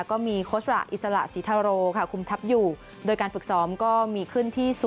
ก็มีโคสระอิสระสีทาโรค่ะคุมทัพอยู่โดยการฝึกซ้อมก็มีขึ้นที่๐